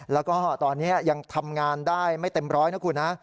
แล้วก็ตอนนี้ยังทำงานได้ไม่เต็มร้อยนะคุณนะ